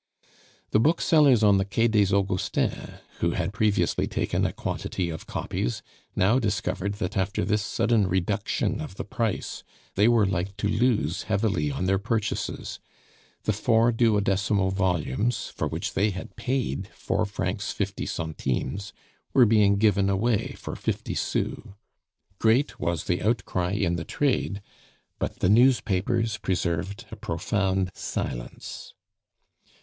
The booksellers on the Quai des Augustins, who had previously taken a quantity of copies, now discovered that after this sudden reduction of the price they were like to lose heavily on their purchases; the four duodecimo volumes, for which they had paid four francs fifty centimes, were being given away for fifty sous. Great was the outcry in the trade; but the newspapers preserved a profound silence.